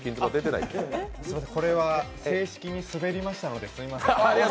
これは正式に滑りましたので、すいません。